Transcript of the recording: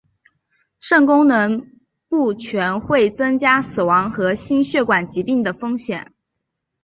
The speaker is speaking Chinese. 肾功能不全会增加死亡和心血管疾病的风险。